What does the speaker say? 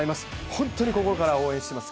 本当に心から応援しています。